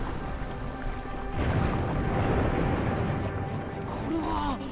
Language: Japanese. ここれは。